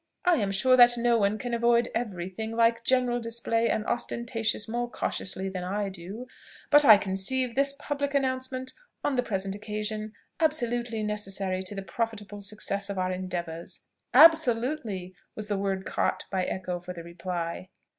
I am sure that no one can avoid every thing like general display and ostentation more cautiously than I do; but I conceive this public announcement on the present occasion absolutely necessary to the profitable success of our endeavours." "Absolutely!" was the word caught by echo for the reply.